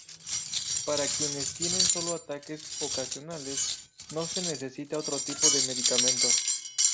Para quienes tienen solo ataques ocasionales, no se necesita otro tipo de medicamento.